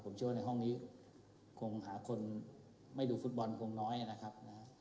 ผมเชื่อว่าในห้องนี้คงหาคนไม่ดูฟุตบอลคงน้อยนะครับนะ